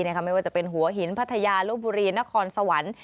ไม่ว่าจะเป็นหัวหินพัทยาลบบุรีนครสวรรค์